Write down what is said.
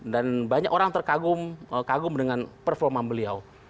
dan banyak orang terkagum dengan performa beliau